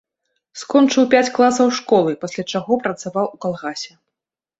Скончыў пяць класаў школы, пасля чаго працаваў у калгасе.